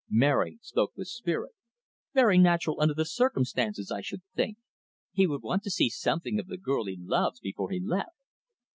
Mary spoke with spirit. "Very natural under the circumstances, I should think. He would want to see something of the girl he loves before he left."